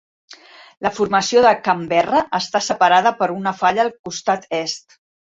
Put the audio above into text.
La Formació de Canberra està separada per una falla al costat est.